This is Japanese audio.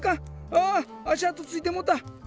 ああしあとついてもた。